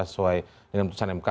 sesuai dengan putusan mk